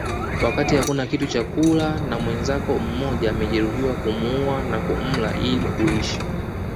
Wakati hakuna kitu cha kula na mwenzako mmoja amejeruhiwa kumuua na kumla ili kuishi